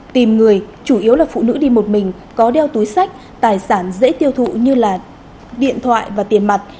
tìm người chủ yếu là phụ nữ đi một mình có đeo túi sách tài sản dễ tiêu thụ như là điện thoại và tiền mặt